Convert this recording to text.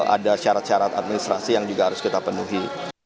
ada syarat syarat administrasi yang juga harus kita penuhi